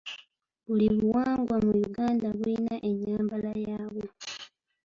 Buli buwangwa mu Uganda buyina enyambala yabwo.